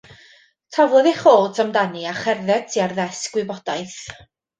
Taflodd ei chot amdani a cherdded tua'r ddesg wybodaeth.